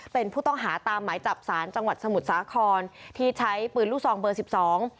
เป็นผู้ต้องหาตามหมายจับสารจังหวัดสมุทรสาครที่ใช้ปืนลูกซองเบอร์สิบสอง